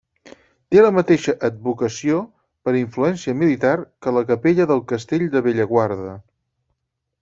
Té la mateixa advocació, per influència militar, que la capella del Castell de Bellaguarda.